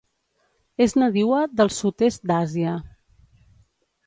És nadiua del sud-est d'Àsia.